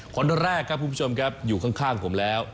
ข้อเนอะแรกค่ะผู้ชมอยู่ข้างผมแล้ว